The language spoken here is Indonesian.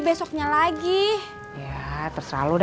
kalo kalo keren banget sama be